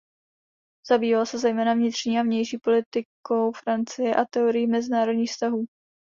Zabýval se zejména vnitřní a vnější politikou Francie a teorií mezinárodních vztahů.